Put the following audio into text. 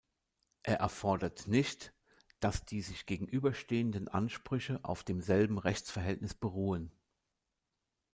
Er erfordert nicht, dass die sich gegenüberstehenden Ansprüche auf demselben Rechtsverhältnis beruhen.